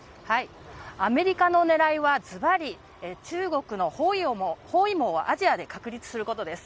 アメリカの狙いは、ずばり中国の包囲網もアジアで確立することです。